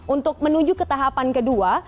untuk menuju ke tahapan kedua